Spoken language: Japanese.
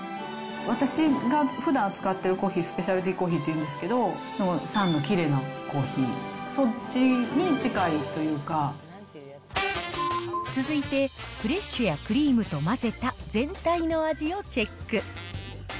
私がふだん扱ってるコーヒー、スペシャルティーコーヒーっていうんですけど、酸のきれいなコー続いて、フレッシュやクリームと混ぜた全体の味をチェック。